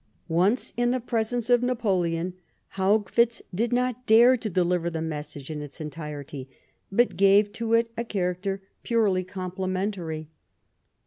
Once in the presence of Napoleon, Haugwitz did not dare to deliver the message in its entirety, but gave to it a character purely complimentary.